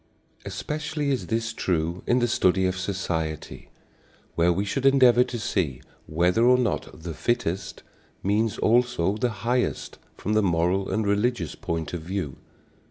Especially is this true in the study of society, where we should endeavor to see whether or not the "fittest" means also the highest from the moral and religious point of view.